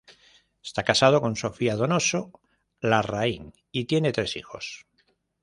Está casado con Sofía Donoso Larraín y tiene tres hijos.